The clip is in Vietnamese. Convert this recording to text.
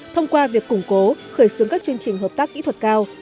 thông qua việc củng cố khởi xướng các chương trình hợp tác kỹ thuật cao